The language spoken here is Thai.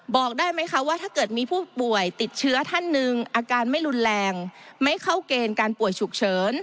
บอกได้ไหมคะว่าถ้าเกิดมีผู้ป่วยติดเชื้อท่านหนึ่งอาการไม่รุนแรงไม่เข้าเกณฑ์การป่วยฉุกเฉิน